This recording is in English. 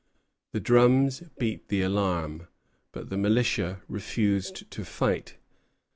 The drums beat the alarm; but the militia refused to fight.